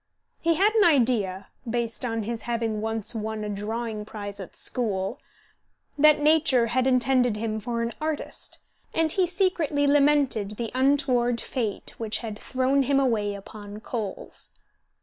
He had an idea, based on his having once won a drawing prize at school, that nature had intended him for an artist, and he secretly lamented the untoward fate which had thrown him away upon coals.